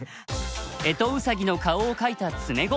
干支ウサギの顔を描いた詰碁。